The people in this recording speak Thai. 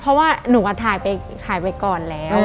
เพราะว่าหนูก็ถ่ายไปก่อนแล้ว